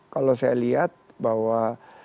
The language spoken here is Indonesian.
kalau saya lihat bahwa